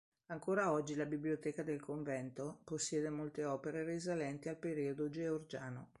Ancora oggi la biblioteca del convento possiede molte opere risalenti al periodo Georgiano.